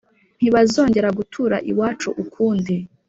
«Ntibazongere gutura iwacu ukundi!»